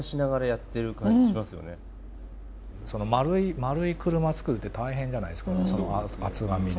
丸い車作るって大変じゃないですか厚紙で。